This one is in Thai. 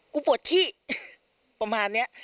ปวดที่ประมาณนี้